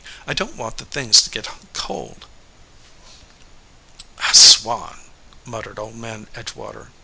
"I don t want the things to get cold." "I swan !" muttered Old Man Edgewater.